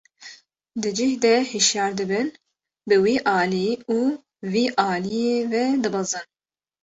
Di cih de hişyar dibin, bi wî alî û vî aliyî ve dibezin.